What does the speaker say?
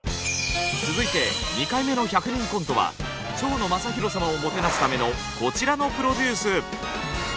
続いて２回目の１００人コントは蝶野正洋様をもてなすためのこちらのプロデュース。